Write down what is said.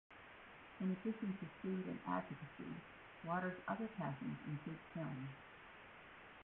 In addition to food and advocacy, Waters' other passions include film.